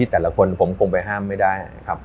วางอย่างไม่ได้